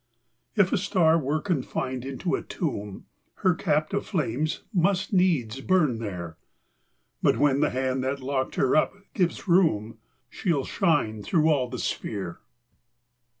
If a star were confined into a tomb, Her captive flames must needs burn there; But when the hand that locked her up gives room. She '11 shine through all the sphere.